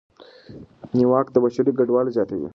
نیواک بشري کډوالۍ زیاتوي.